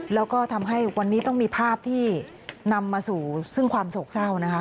แล้วก็ทำให้วันนี้ต้องมีภาพที่นำมาสู่ซึ่งความโศกเศร้านะคะ